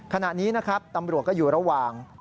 ขณะนี้นะครับตำรวจก็อยู่ระหว่าง